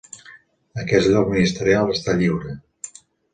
Aquest lloc ministerial està lliure.